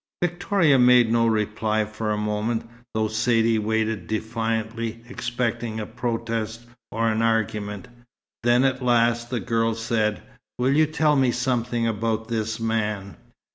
Victoria made no reply for a moment, though Saidee waited defiantly, expecting a protest or an argument. Then, at last, the girl said: "Will you tell me something about this man?"